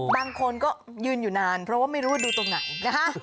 บางคนยืนอยู่นานไม่รู้ว่าดูตรงไหน